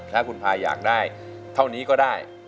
ถ้าคุณพายอยากได้เท่านี้ก็ได้